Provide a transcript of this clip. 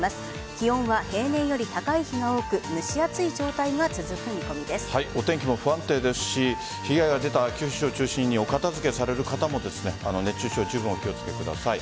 気温は平年より高い日が多くお天気も不安定ですし被害が出た九州を中心にお片付けされる方も熱中症じゅうぶんお気を付けください。